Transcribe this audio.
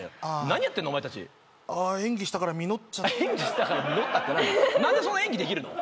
何やってんのお前たちああ演技したから実っちゃった演技したから実ったって何何でそんな演技できるの？